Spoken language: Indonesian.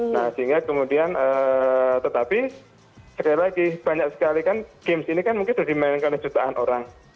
nah sehingga kemudian tetapi sekali lagi banyak sekali kan games ini kan mungkin sudah dimainkan jutaan orang